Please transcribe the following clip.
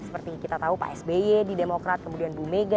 seperti kita tahu pak sby di demokrat kemudian bumega